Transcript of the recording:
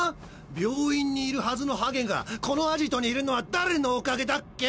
病院にいるハズのハゲがこのアジトにいるのは誰のおかげだっけ！？